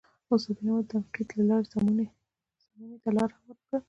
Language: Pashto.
استناد بینوا د تنقید له لارې سمونې ته لار هواره کړه.